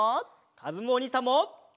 かずむおにいさんも！